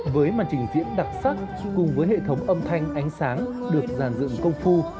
với màn trình diễn đặc sắc cùng với hệ thống âm thanh ánh sáng được giàn dựng công phu